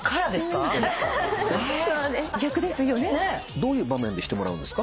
どういう場面でしてもらうんですか？